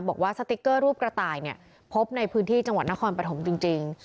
บอกว่าสติ๊กเกอร์รูปกระต่ายเนี่ยพบในพื้นที่จังหวัดนครปฐมจริงจริง